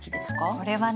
これはね